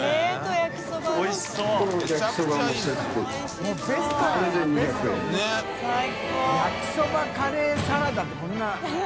焼きそばカレーサラダってこんな。